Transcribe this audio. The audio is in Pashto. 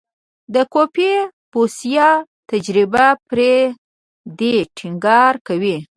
د کوفي بوسیا تجربه پر دې ټینګار کوي.